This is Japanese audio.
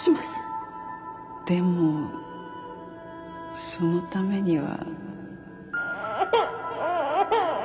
でもそのためには。